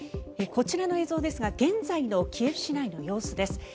こちらの映像ですが現在のキエフ市内の様子です。